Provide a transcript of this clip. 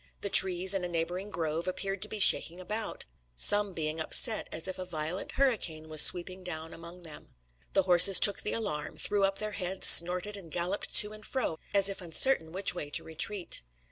The trees in a neighbouring grove appeared to be shaking about, some being upset as if a violent hurricane was sweeping down among them. The horses took the alarm; threw up their heads, snorted, and galloped to and fro, as if uncertain which way to retreat.